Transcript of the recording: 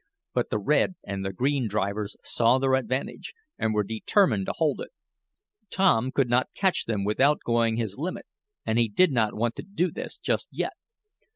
But the red and the green car drivers saw their advantage, and were determined to hold it. Tom could not catch them without going his limit, and he did not want to do this just yet.